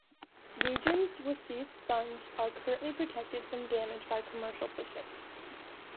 Regions with these sponge are currently protected from damage by commercial fishing.